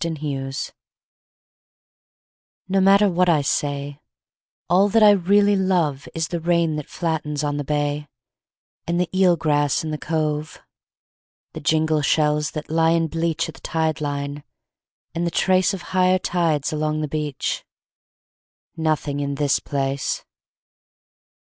EEL GRASS No matter what I say, All that I really love Is the rain that flattens on the bay, And the eel grass in the cove; The jingle shells that lie and bleach At the tide line, and the trace Of higher tides along the beach: Nothing in this place.